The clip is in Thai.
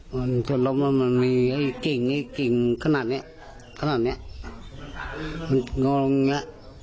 มันจะล้มมันมีไอ้กิ่งไอ้กิ่งขนาดเนี้ยขนาดเนี้ยมันลงอย่างเงี้ย